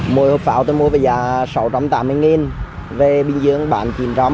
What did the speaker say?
mua hộp pháo tôi mua về giá sáu trăm tám mươi nghìn về bình dương bán chín trăm linh